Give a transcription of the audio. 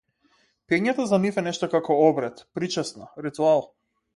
Пиењето за нив е нешто како обред, причесна, ритуал.